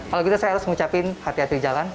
kalau gitu saya harus ngucapin hati hati di jalan